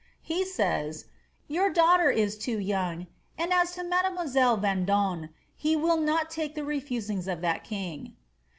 He says, *^ Your daughter is too young, and as to mademoiselle Vendome, he will not take the refusings of that king.'"